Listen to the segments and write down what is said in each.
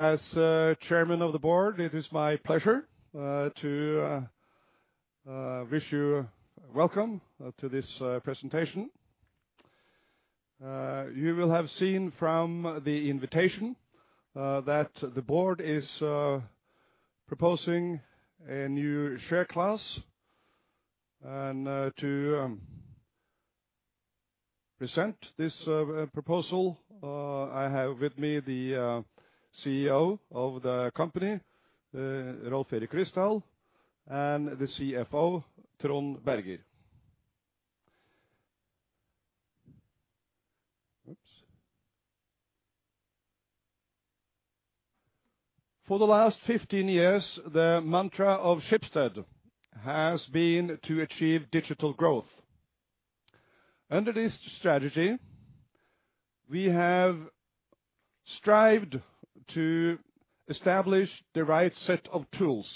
As chairman of the board, it is my pleasure to wish you welcome to this presentation. You will have seen from the invitation that the board is proposing a new share class. To present this proposal, I have with me the CEO of the company, Rolv Erik Ryssdal, and the CFO, Trond Berger. For the last 15 years, the mantra of Schibsted has been to achieve digital growth. Under this strategy, we have strived to establish the right set of tools.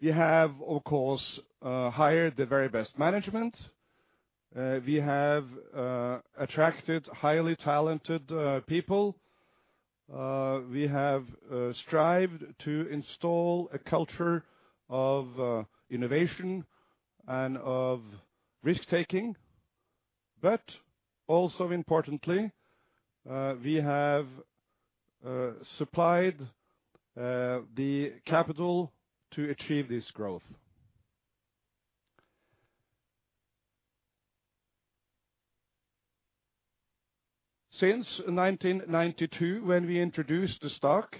We have, of course, hired the very best management. We have attracted highly talented people. We have strived to install a culture of innovation and of risk-taking, but also importantly, we have supplied the capital to achieve this growth. Since 1992, when we introduced the stock,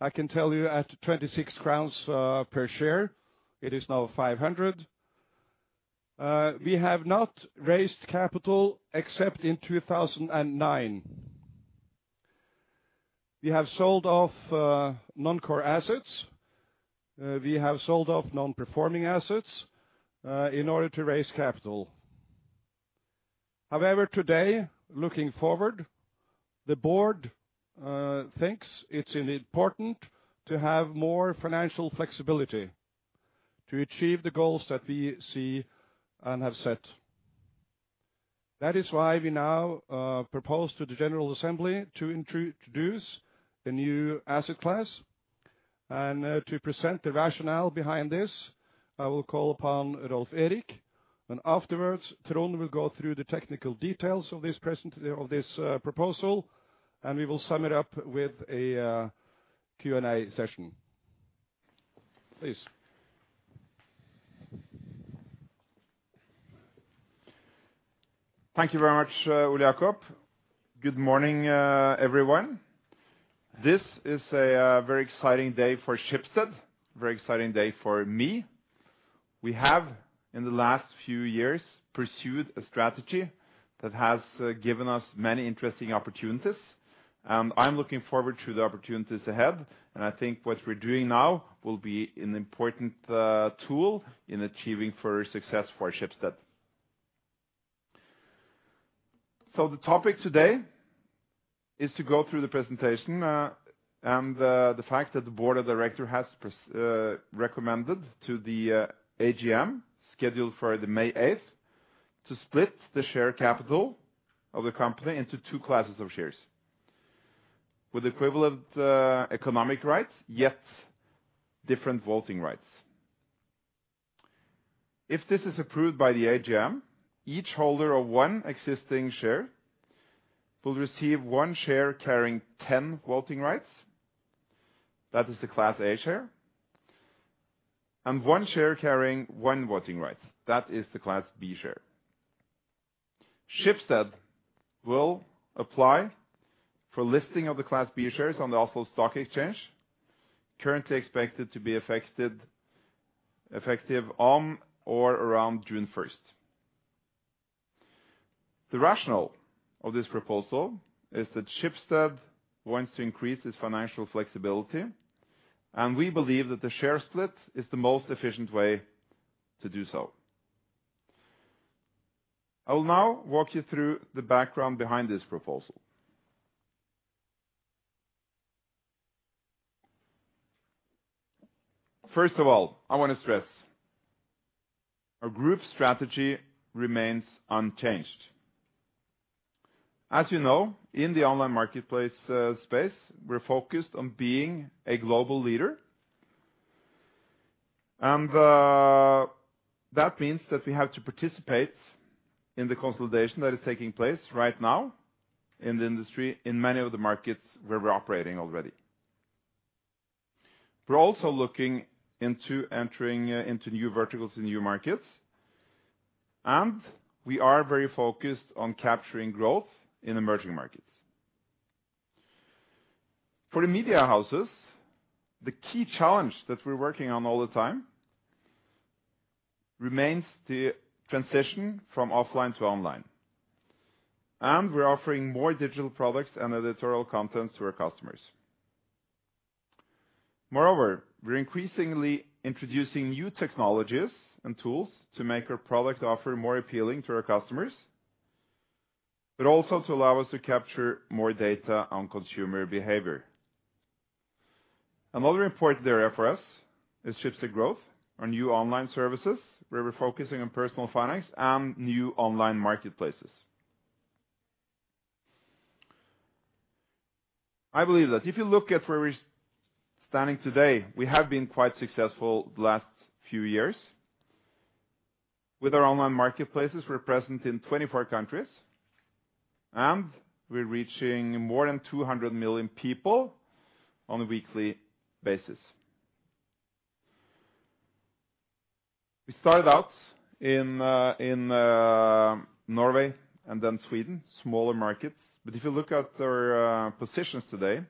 I can tell you at 26 crowns per share, it is now 500. We have not raised capital except in 2009. We have sold off non-core assets. We have sold off non-performing assets, in order to raise capital. However, today, looking forward, the board thinks it's important to have more financial flexibility to achieve the goals that we see and have set. That is why we now propose to the general assembly to introduce the new asset class. To present the rationale behind this, I will call upon Rolv Erik, and afterwards, Trond will go through the technical details of this proposal, and we will sum it up with a Q&A session. Please. Thank you very much, Ole Jacob. Good morning, everyone. This is a very exciting day for Schibsted. Very exciting day for me. We have, in the last few years, pursued a strategy that has given us many interesting opportunities, and I'm looking forward to the opportunities ahead. I think what we're doing now will be an important tool in achieving further success for Schibsted. The topic today is to go through the presentation and the fact that the board of director has recommended to the AGM scheduled for the May 8th to split the share capital of the company into two classes of shares with equivalent economic rights, yet different voting rights. If this is approved by the AGM, each holder of one existing share will receive one share carrying 10 voting rights. That is the Class A share. One share carrying one voting right. That is the Class B share. Schibsted will apply for listing of the Class B shares on the Oslo Stock Exchange, currently expected to be effective on or around June first. The rationale of this proposal is that Schibsted wants to increase its financial flexibility, and we believe that the share split is the most efficient way to do so. I will now walk you through the background behind this proposal. First of all, I wanna stress our group strategy remains unchanged. As you know, in the online marketplace space, we're focused on being a global leader. That means that we have to participate in the consolidation that is taking place right now in the industry, in many of the markets where we're operating already. We're also looking into entering into new verticals in new markets, and we are very focused on capturing growth in emerging markets. For the media houses, the key challenge that we're working on all the time remains the transition from offline to online. We're offering more digital products and editorial content to our customers. Moreover, we're increasingly introducing new technologies and tools to make our product offer more appealing to our customers, but also to allow us to capture more data on consumer behavior. Another important area for us is Schibsted Growth. Our new online services, where we're focusing on personal finance and new online marketplaces. I believe that if you look at where we're standing today, we have been quite successful the last few years. With our online marketplaces, we're present in 24 countries, and we're reaching more than 200 million people on a weekly basis. We started out in Norway and then Sweden, smaller markets. If you look at our positions today,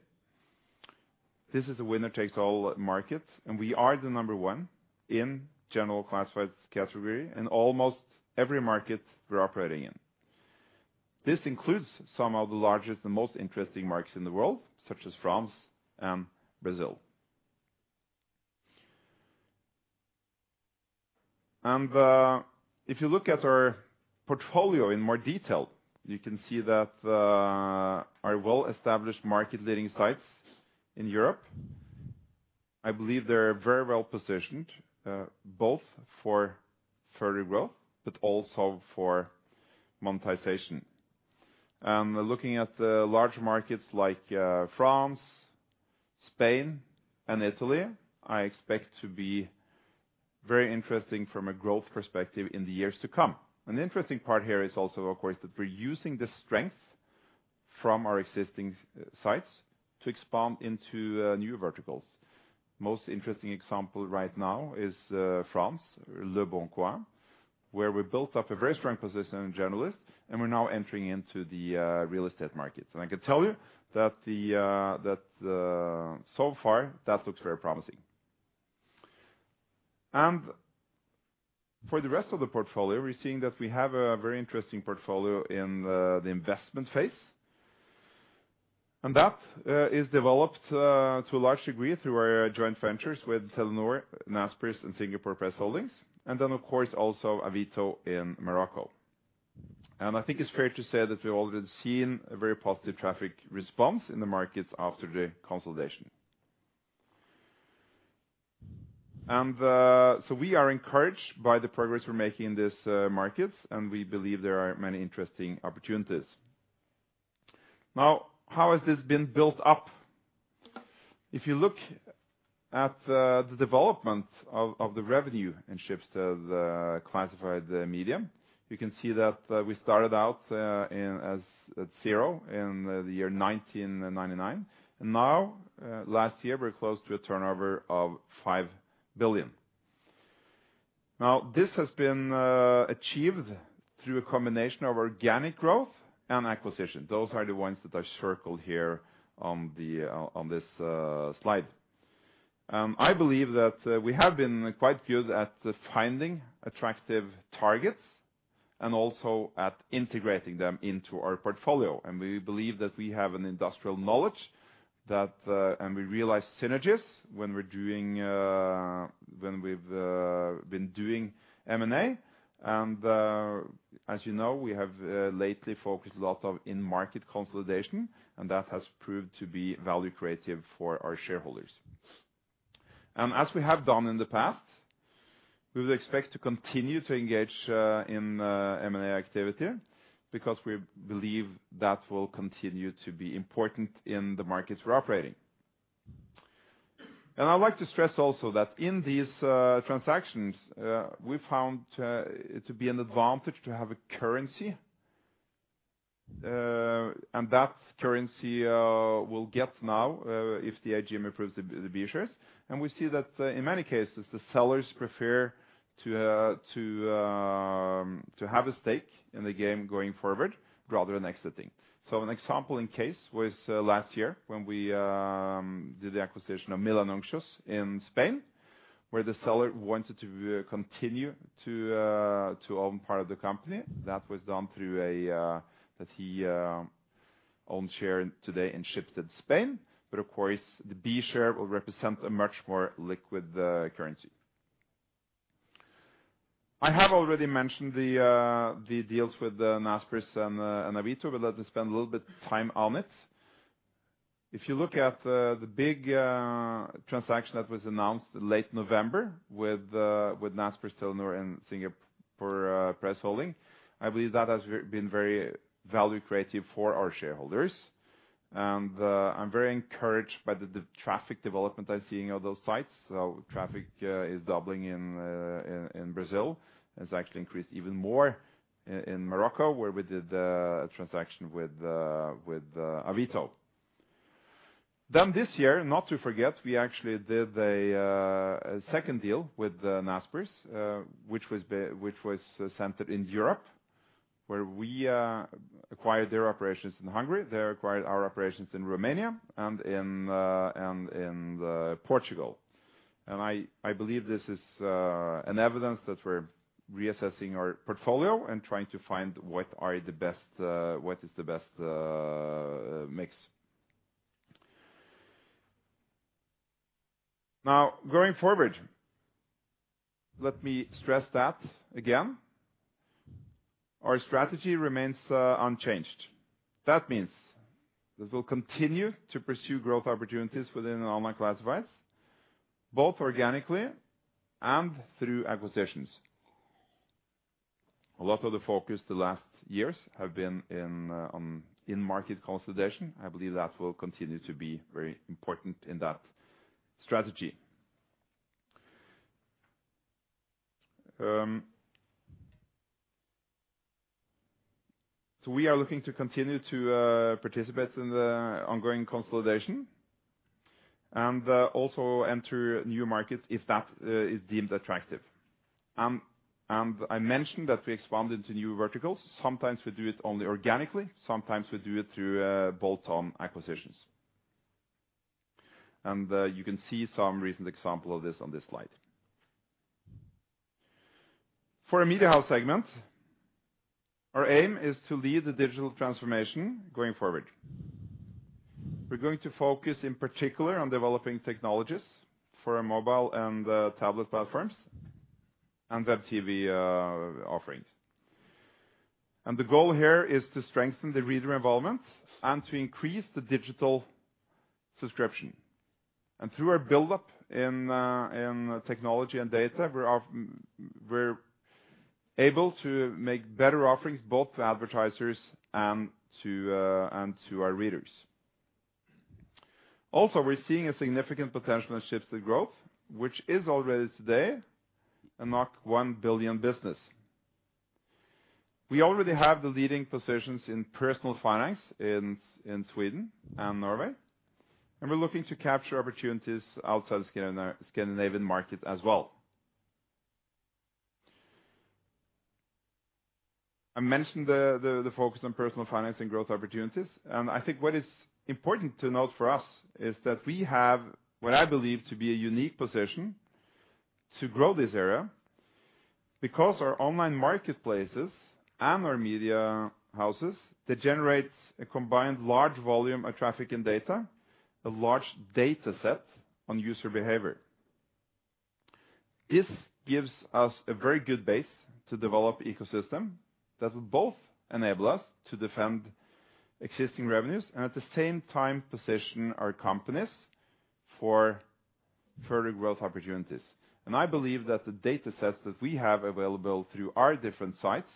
this is a winner takes all market, and we are the number one in general classified category in almost every market we're operating in. This includes some of the largest and most interesting markets in the world, such as France and Brazil. If you look at our portfolio in more detail, you can see that our well-established market-leading sites in Europe, I believe they're very well-positioned both for further growth but also for monetization. Looking at the larger markets like France, Spain, and Italy, I expect to be very interesting from a growth perspective in the years to come. An interesting part here is also, of course, that we're using the strength from our existing sites to expand into new verticals. Most interesting example right now is France, leboncoin, where we built up a very strong position in generalist, and we're now entering into the real estate market. I can tell you that so far that looks very promising. For the rest of the portfolio, we're seeing that we have a very interesting portfolio in the investment phase. That is developed to a large degree through our joint ventures with Telenor, Naspers, and Singapore Press Holdings, and then, of course, also Avito in Morocco. I think it's fair to say that we already seen a very positive traffic response in the markets after the consolidation. We are encouraged by the progress we're making in these markets, and we believe there are many interesting opportunities. Now, how has this been built up? If you look at the development of the revenue in Schibsted classified media, you can see that we started out at zero in the year 1999. Now, last year, we're close to a turnover of 5 billion. Now, this has been achieved through a combination of organic growth and acquisition. Those are the ones that I circled here on the on this slide. I believe that we have been quite good at finding attractive targets and also at integrating them into our portfolio. We believe that we have an industrial knowledge that and we realize synergies when we've been doing M&A. As you know, we have lately focused a lot of in-market consolidation, and that has proved to be value creative for our shareholders. As we have done in the past, we would expect to continue to engage in M&A activity because we believe that will continue to be important in the markets we're operating. I'd like to stress also that in these transactions, we found it to be an advantage to have a currency. And that currency we'll get now if the AGM approves the B shares. We see that in many cases, the sellers prefer to have a stake in the game going forward rather than exiting. An example in case was last year when we did the acquisition of Milanuncios in Spain, where the seller wanted to continue to own part of the company. That was done through, that he owns share in today in Schibsted Spain. Of course, the B share will represent a much more liquid currency. I have already mentioned the deals with Naspers and Avito, let me spend a little bit time on it. If you look at the big transaction that was announced late November with Naspers, Telenor, and Singapore Press Holdings, I believe that has been very value creative for our shareholders. I'm very encouraged by the traffic development I'm seeing on those sites. Traffic is doubling in Brazil. It's actually increased even more in Morocco, where we did a transaction with Avito. This year, not to forget, we actually did a second deal with Naspers, which was centered in Europe, where we acquired their operations in Hungary, they acquired our operations in Romania and in Portugal. I believe this is an evidence that we're reassessing our portfolio and trying to find what is the best mix. Now, going forward, let me stress that again. Our strategy remains unchanged. That means that we'll continue to pursue growth opportunities within online classifieds, both organically and through acquisitions. A lot of the focus the last years have been in market consolidation. I believe that will continue to be very important in that strategy. We are looking to continue to participate in the ongoing consolidation and also enter new markets if that is deemed attractive. I mentioned that we expand into new verticals. Sometimes we do it only organically, sometimes we do it through bolt-on acquisitions. You can see some recent example of this on this slide. For our Media House segment, our aim is to lead the digital transformation going forward. We're going to focus in particular on developing technologies for our mobile and tablet platforms and web TV offerings. The goal here is to strengthen the reader involvement and to increase the digital subscription. Through our buildup in technology and data, we're able to make better offerings both to advertisers and to our readers. We're seeing a significant potential in Schibsted Growth, which is already today a 1 billion business. We already have the leading positions in personal finance in Sweden and Norway. We're looking to capture opportunities outside the Scandinavian market as well. I mentioned the focus on personal finance and growth opportunities. I think what is important to note for us is that we have what I believe to be a unique position to grow this area because our online marketplaces and our media houses, they generate a combined large volume of traffic and data, a large data set on user behavior. This gives us a very good base to develop ecosystem that will both enable us to defend existing revenues and at the same time position our companies for further growth opportunities. I believe that the data sets that we have available through our different sites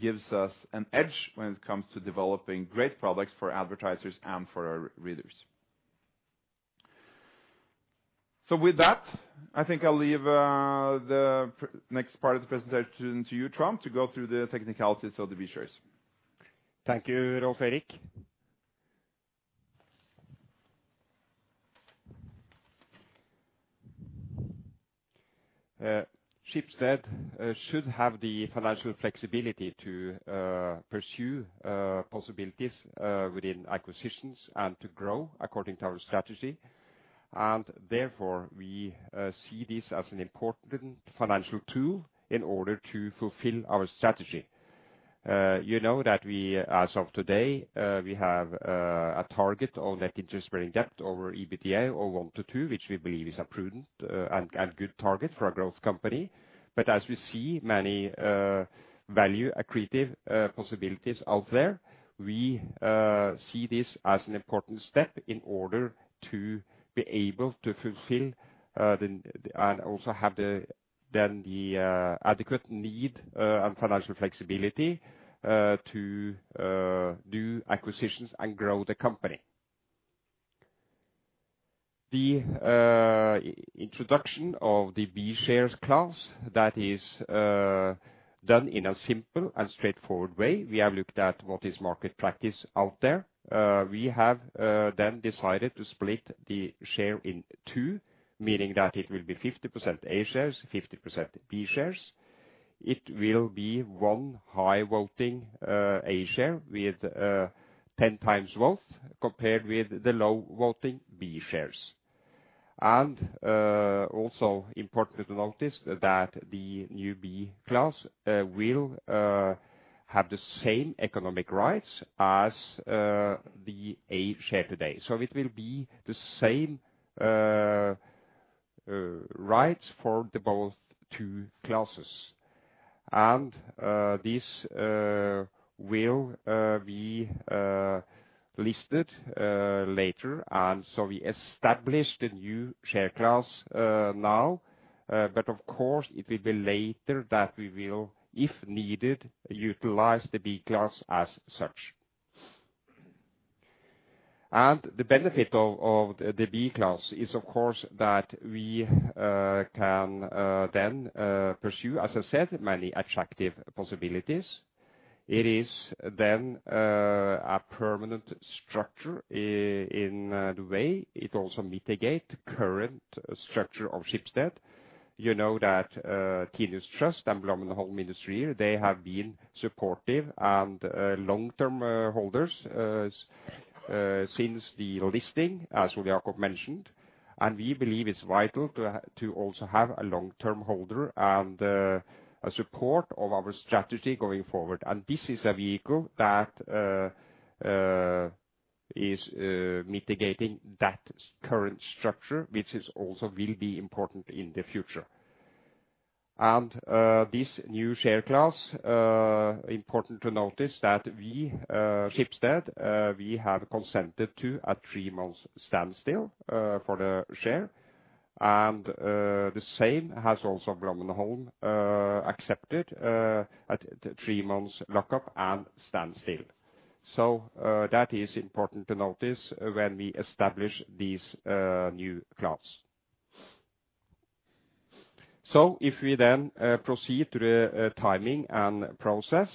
gives us an edge when it comes to developing great products for advertisers and for our readers. With that, I think I'll leave the next part of the presentation to you, Trond, to go through the technicalities of the B-shares. Thank you, Rolv Erik. Schibsted should have the financial flexibility to pursue possibilities within acquisitions and to grow according to our strategy. Therefore, we see this as an important financial tool in order to fulfill our strategy. You know that we, as of today, we have a target of net interest-bearing debt over EBITDA of 1 to 2, which we believe is a prudent and good target for a growth company. As we see many value accretive possibilities out there, we see this as an important step in order to be able to fulfill and also have the adequate need and financial flexibility to do acquisitions and grow the company. The introduction of the B-shares class, that is done in a simple and straightforward way. We have looked at what is market practice out there. We have then decided to split the share in two, meaning that it will be 50% A-shares, 50% B-shares. It will be one high-voting A-share with 10 times vote compared with the low-voting B-shares. Also important to notice that the new B class will have the same economic rights as the A-share today. It will be the same rights for the both two classes. This will be listed later. We established a new share class now. Of course it will be later that we will, if needed, utilize the B class as such. The benefit of the B Class is of course that we can then pursue, as I said, many attractive possibilities. It is a permanent structure in a way. It also mitigate current structure of Schibsted. You know that Tinius Trust and Blommenholm Industrier, they have been supportive and long-term holders since the listing, as Ole Jacob mentioned. We believe it's vital to also have a long-term holder and a support of our strategy going forward. This is a vehicle that Is mitigating that current structure, which is also will be important in the future. This new share class, important to notice that we, Schibsted, we have consented to a 3-month standstill for the share. The same has also Blommenholm accepted at the 3 months lock-up and standstill. That is important to notice when we establish these new Class. If we then proceed to the timing and process,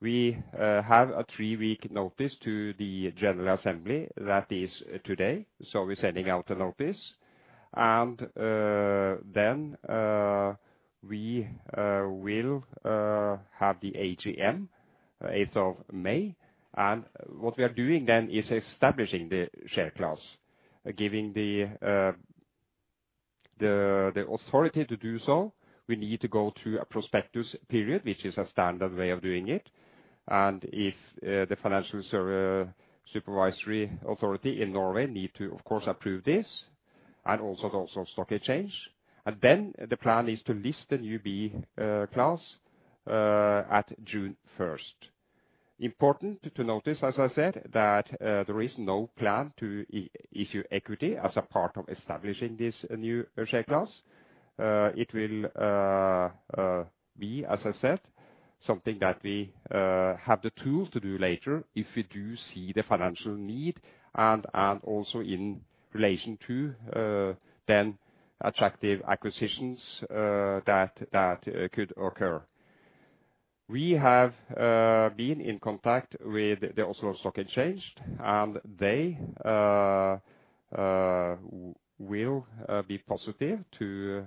we have a 3-week notice to the general assembly. That is today, we're sending out a notice. Then, we will have the AGM May 8. What we are doing then is establishing the share class. Giving the authority to do so, we need to go through a prospectus period, which is a standard way of doing it. If the Financial Supervisory Authority of Norway need to, of course, approve this, and Oslo Stock Exchange. Then the plan is to list the new Class B at June 1st. Important to notice, as I said, that there is no plan to issue equity as a part of establishing this new share class. It will be, as I said, something that we have the tool to do later if we do see the financial need and also in relation to then attractive acquisitions that could occur. We have been in contact with the Oslo Stock Exchange, and they will be positive to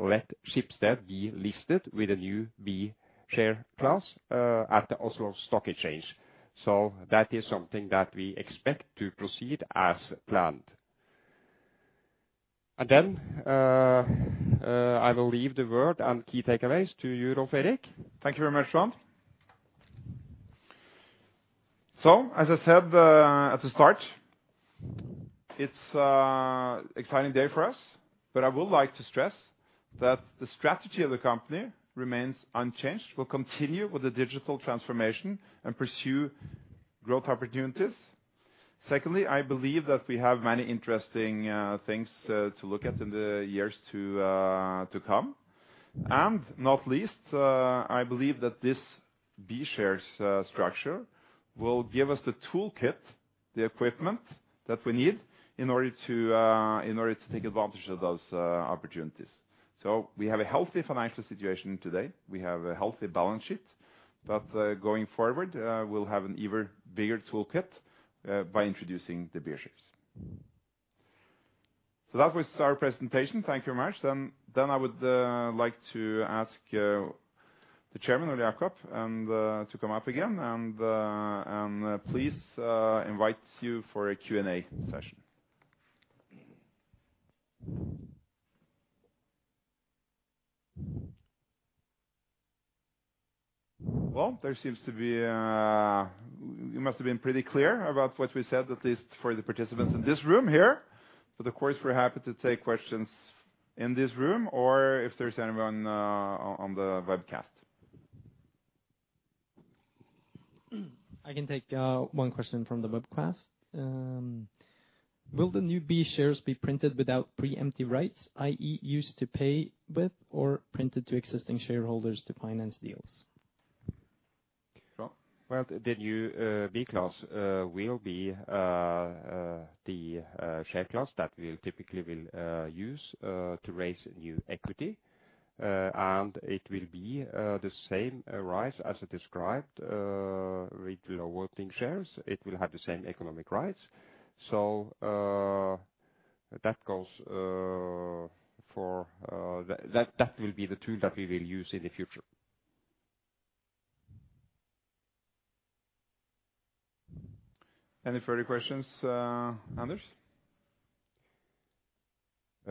let Schibsted be listed with a new B-share class at the Oslo Stock Exchange. So that is something that we expect to proceed as planned. Then I will leave the word and key takeaways to you, Rolv Erik. Thank you very much, Trond. As I said, at the start, it's a exciting day for us. I would like to stress that the strategy of the company remains unchanged. We'll continue with the digital transformation and pursue growth opportunities. Secondly, I believe that we have many interesting things to look at in the years to come. Not least, I believe that this B-shares structure will give us the toolkit, the equipment that we need in order to take advantage of those opportunities. We have a healthy financial situation today. We have a healthy balance sheet. Going forward, we'll have an even bigger toolkit by introducing the B-shares. That was our presentation. Thank you very much. I would like to ask the Chairman, Ole Jacob, to come up again and please invite you for a Q&A session. Well, there seems to be a, we must have been pretty clear about what we said, at least for the participants in this room here. Of course, we're happy to take questions in this room or if there's anyone on the webcast. I can take one question from the webcast. Will the new B-shares be printed without pre-emptive rights, i.e., used to pay with or printed to existing shareholders to finance deals? Trond? Well, the new B class will be the share class that we typically will use to raise new equity. It will be the same rights as I described with the voting shares. It will have the same economic rights. That goes for. That will be the tool that we will use in the future. Any further questions, Anders?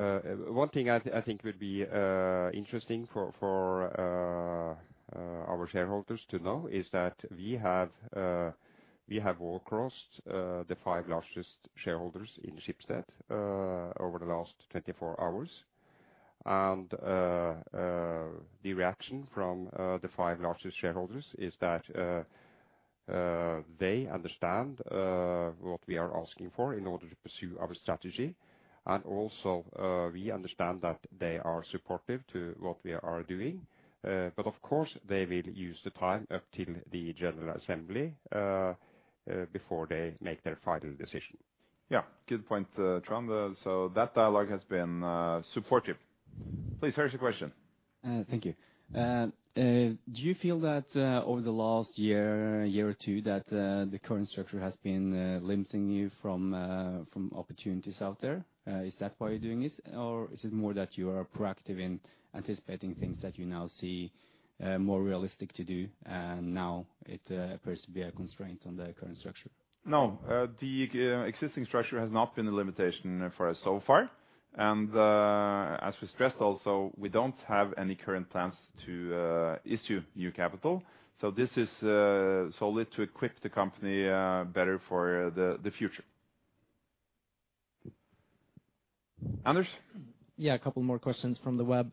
One thing I think would be interesting for our shareholders to know is that we have all crossed the five largest shareholders in Schibsted over the last 24 hours. The reaction from the five largest shareholders is that they understand what we are asking for in order to pursue our strategy. We understand that they are supportive to what we are doing. Of course, they will use the time up till the general assembly before they make their final decision. Yeah, good point, Trond. That dialogue has been supportive. Please, first question. Thank you. Do you feel that over the last year or two, that the current structure has been limiting you from opportunities out there? Is that why you're doing this? Is it more that you are proactive in anticipating things that you now see more realistic to do and now it appears to be a constraint on the current structure? No, the existing structure has not been a limitation for us so far. As we stressed also, we don't have any current plans to issue new capital. This is solely to equip the company better for the future. Anders? Yeah, a couple more questions from the web.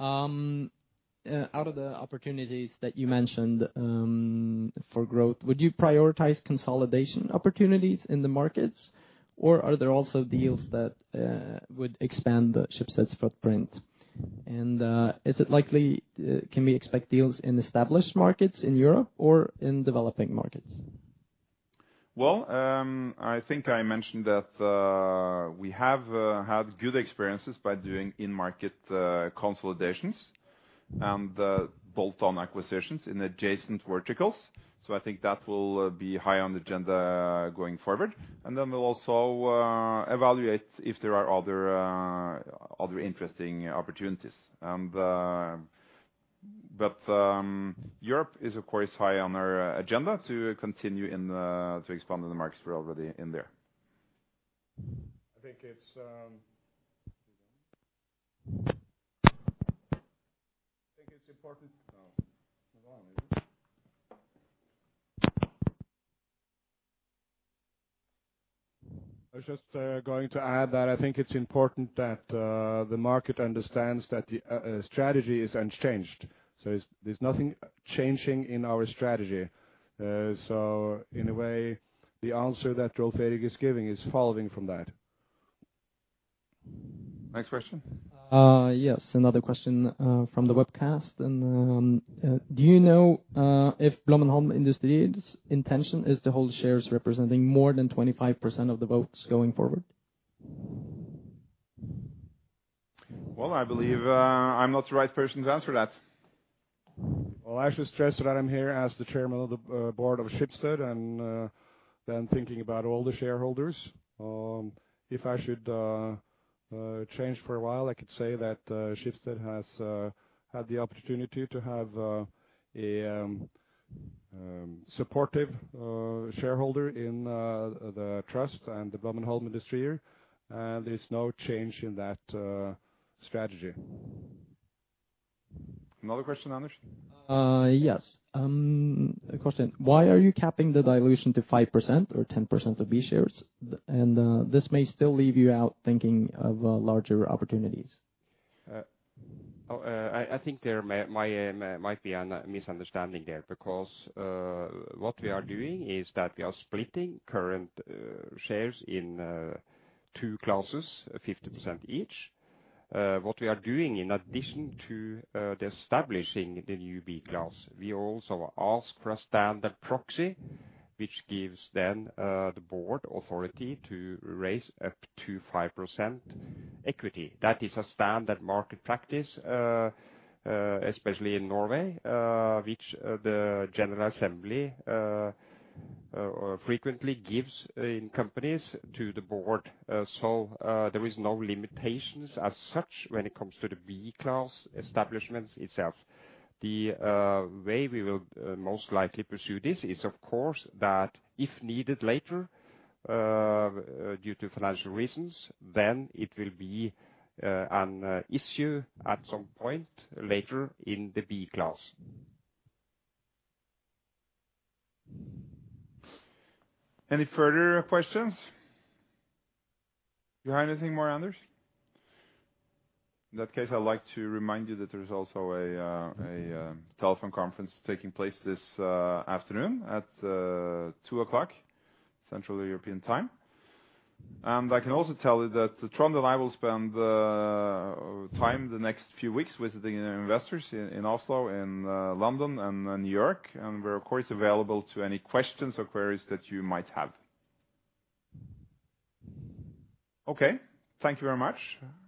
Out of the opportunities that you mentioned, for growth, would you prioritize consolidation opportunities in the markets? Or are there also deals that would expand the Schibsted's footprint? Can we expect deals in established markets in Europe or in developing markets? I think I mentioned that we have had good experiences by doing in-market consolidations and bolt-on acquisitions in adjacent verticals. I think that will be high on the agenda going forward. We'll also evaluate if there are other interesting opportunities. Europe is of course high on our agenda to continue and to expand to the markets we're already in there. I think it's important. I was just going to add that I think it's important that the market understands that the strategy is unchanged. There's nothing changing in our strategy. In a way, the answer that Rolv Erik is giving is following from that. Next question. Yes, another question from the webcast. Do you know if Blommenholm Industrier's intention is to hold shares representing more than 25% of the votes going forward? Well, I believe, I'm not the right person to answer that. I should stress that I'm here as the chairman of the board of Schibsted, and thinking about all the shareholders. If I should change for a while, I could say that Schibsted has had the opportunity to have a supportive shareholder in the trust and Blommenholm Industrier, there's no change in that strategy. Another question, Anders. Yes. A question. Why are you capping the dilution to 5% or 10% of B-shares? This may still leave you out thinking of, larger opportunities. I think there might be a misunderstanding there because what we are doing is that we are splitting current shares in two classes, 50% each. What we are doing in addition to establishing the new B-class, we also ask for a standard proxy, which gives then the board authority to raise up to 5% equity. That is a standard market practice, especially in Norway, which the General Assembly frequently gives in companies to the board. There is no limitations as such when it comes to the B-class establishments itself. The way we will most likely pursue this is of course that if needed later, due to financial reasons, then it will be an issue at some point later in the B class. Any further questions? Do you have anything more, Anders? In that case, I'd like to remind you that there is also a telephone conference taking place this afternoon at 2:00 P.M. Central European Time. I can also tell you that Trond and I will spend time the next few weeks visiting investors in Oslo and London and New York. We're of course available to any questions or queries that you might have. Okay. Thank you very much. Thank you.